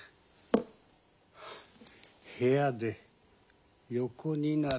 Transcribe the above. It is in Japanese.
部屋で横になる。